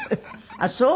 あっそう？